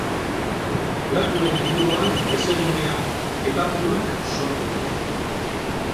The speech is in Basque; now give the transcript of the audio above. Lakuen inguruan hezeguneak eta dunak sortu dira.